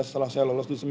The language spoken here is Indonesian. ketika tempat lebih besar